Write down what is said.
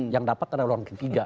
yang dapat ada orang ketiga